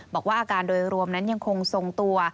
บอกว่าอาการโดยรวมนั้นยังคงทรงตัว